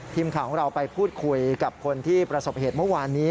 ทีมข่าวของเราไปพูดคุยกับคนที่ประสบเหตุเมื่อวานนี้